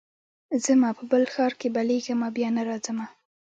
ځمه په بل ښار کي بلېږمه بیا نه راځمه